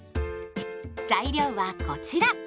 材料はこちら。